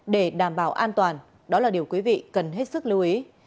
để đảm bảo an toàn đó là điều quý vị cần hết sức lưu ý